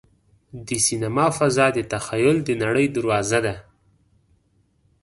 د سینما فضا د تخیل د نړۍ دروازه ده.